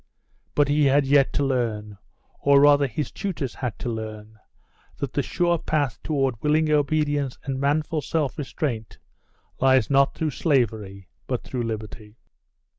But he had yet to learn, or rather his tutors had to learn, that the sure path toward willing obedience and manful self restraint, lies not through slavery, but through liberty.